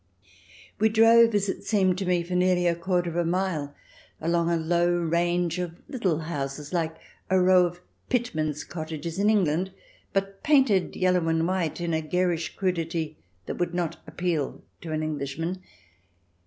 We drove, as it seemed to me, for nearly a quarter of a mile, along a low range of little houses like a row of pitmen's cottages in England, but painted yellow and white in a garish crudity that would not appeal to Englishmen.